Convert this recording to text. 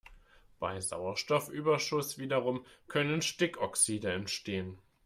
Bei Sauerstoffüberschuss wiederum können Stickoxide entstehen.